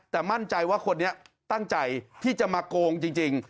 แต่มั่นใจว่าคนนี้ตั้งใจที่จะมาโกงจริง